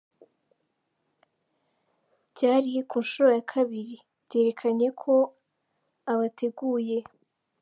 Byari kunshuro ya kabiri, byerekanye ko abateguye